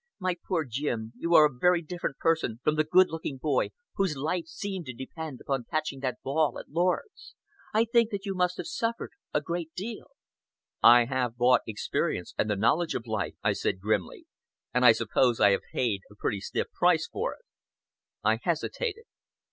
"My poor Jim, you are a very different person from the good looking boy whose life seemed to depend upon catching that ball at Lord's. I think that you must have suffered a great deal." "I have bought experience and the knowledge of life," I said grimly, "and I suppose I have paid a pretty stiff price for it." I hesitated.